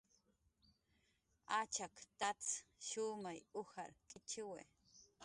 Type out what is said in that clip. Achak tats shumay ujar k'ichiwi